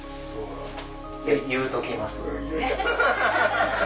って言うときます。